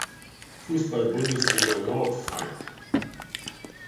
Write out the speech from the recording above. Fußball-Bundesliga Nord feiern.